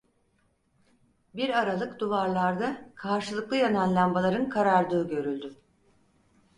Bir aralık duvarlarda karşılıklı yanan lambaların karardığı görüldü.